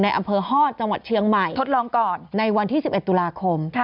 อำเภอฮอตจังหวัดเชียงใหม่ทดลองก่อนในวันที่๑๑ตุลาคม